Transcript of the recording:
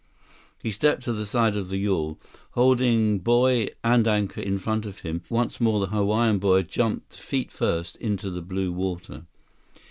He stepped to the side of the yawl. Holding buoy and anchor in front of him, once more the Hawaiian boy jumped feet first into the blue water.